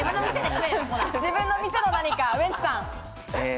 ピンポン自分の店の何かウエンツさん。